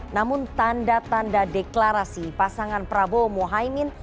namun tanda tanda deklarasi pasangan prabowo mohaimin